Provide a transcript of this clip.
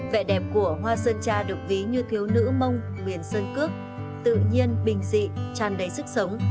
vẻ đẹp của hoa sơn tra được ví như thiếu nữ mông miền sơn cước tự nhiên bình dị tràn đầy sức sống